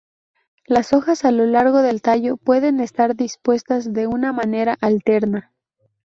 Las hojas a lo largo del tallo pueden estar dispuestas de una manera alterna.